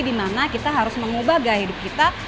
dimana kita harus mengubah gaya hidup kita